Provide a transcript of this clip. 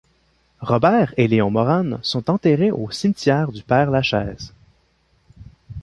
Robert et Léon Morane sont enterrés au cimetière du Père-Lachaise.